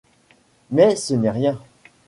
Mais ce n’est rien.